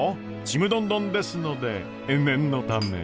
ちむどんどんですので念のため。